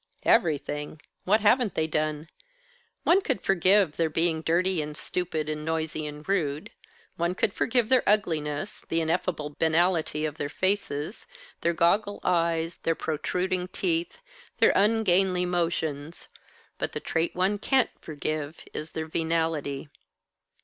"Everything. What haven't they done? One could forgive their being dirty and stupid and noisy and rude; one could forgive their ugliness, the ineffable banality of their faces, their goggle eyes, their protruding teeth, their ungainly motions; but the trait one can't forgive is their venality.